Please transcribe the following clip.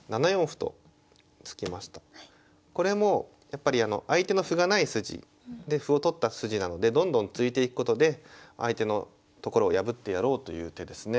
これもやっぱり相手の歩がない筋で歩を取った筋なのでどんどん突いていくことで相手のところを破ってやろうという手ですね。